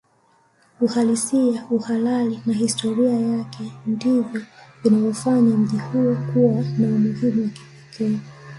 Uhalisia uhalali na historia yake ndivyo vinafanya mji huo kuwa na umuhimu wa kipekee